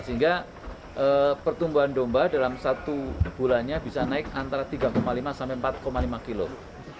sehingga pertumbuhan domba dalam satu bulannya bisa naik antara tiga lima sampai empat lima kilog